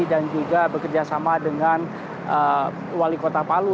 dan juga bekerjasama dengan wali kota palu